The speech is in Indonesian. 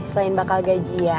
selain bakal gajian